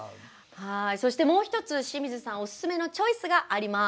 そしてもう一つ清水さんおすすめのチョイスがあります。